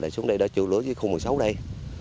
xuống đây đó chụi lửa dưới khu một mươi sáu đây